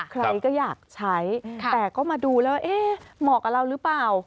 ใครก็อยากใช้แต่ก็มาดูแล้วเอ๊ะเหมาะกับเราหรือเปล่า